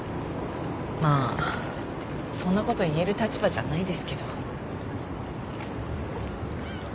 まあそんなこと言える立場じゃないですけど。